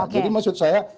jadi maksud saya